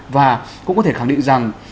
và cũng có thể khẳng định rằng